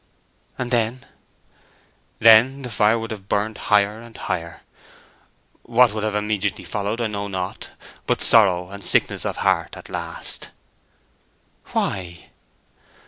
"And then?" "Then the fire would have burned higher and higher. What would have immediately followed I know not; but sorrow and sickness of heart at last." "Why?"